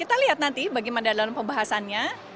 kita lihat nanti bagaimana dalam pembahasannya